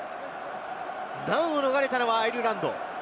難を逃れたのはアイルランド。